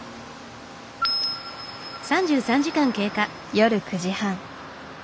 夜９時半。